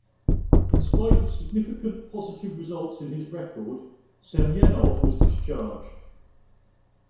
In spite of significant positive results in his record, Semyonov was discharged.